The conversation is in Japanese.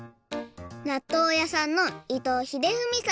なっとうやさんの伊藤英文さん。